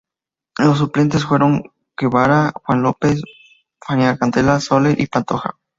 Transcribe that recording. Los suplentes fueron Guevara, J. López, F. Candela, Soler y Pantoja.